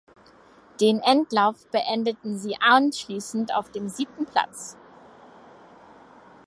Den Endlauf beendeten sie anschließend auf dem siebten Platz.